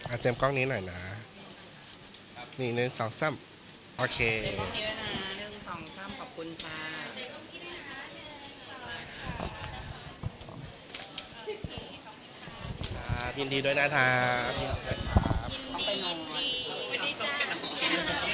อ่าเจมส์กล้องนี้หน่อยนะครับนี่หนึ่งสองสามโอเคหนึ่งสองสามขอบคุณครับ